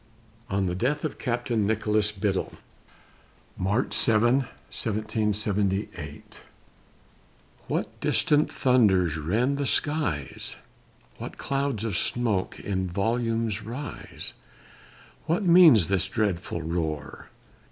ON THE DEATH OF CAPTAIN NICHOLAS BIDDLE [March 7, 1778] What distant thunders rend the skies, What clouds of smoke in volumes rise, What means this dreadful roar!